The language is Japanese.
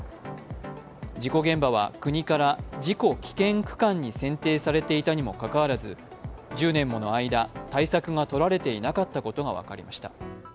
事故現場は国から事故危険区間に選定されていたにもかかわらず１０年もの間、対策がとられていなかったことが分かりました。